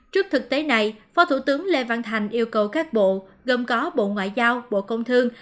trước thực tế này phó thủ tướng lê văn thành yêu cầu các bộ gồm có bộ ngoại giao bộ công thương